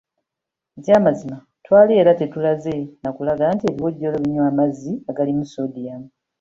Ekyamazima twali era tetulaze na kulaga nti ebiwojjolo binywa amazzi agalimu sodium.